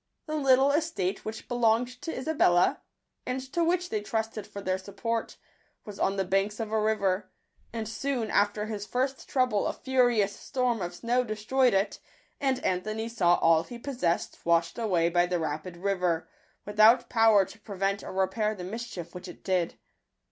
The little estate which belonged to Isabella, and to which they trusted for their support, was on the banks of a river ; and soon after his first trouble a furious storm of snow destroyed it, and Anthony saw all he possessed washed away by the rapid river, without power to prevent or repair the mischief which it did.